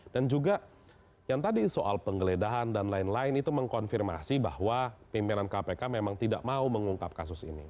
dan juga yang tadi soal penggeledahan dan lain lain itu mengkonfirmasi bahwa pimpinan kpk memang tidak mau mengungkap kasus ini